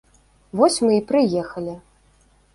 Вось мы і прыехалі.